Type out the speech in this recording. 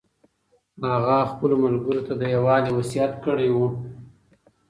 هغه خپلو ملګرو ته د یووالي وصیت کړی و.